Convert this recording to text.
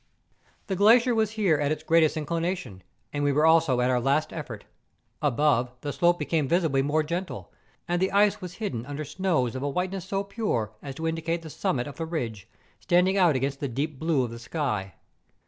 The glacier was here at its greatest inclination, and we were also at our last effort. Above, the slope became visibly more gentle, and the ice was hidden under snows of a whiteness so pure as to indicate the summit of the ridge, standing out against the deep blue of the sky.